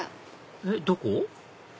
えっどこ？